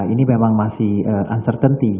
ini memang masih uncertainty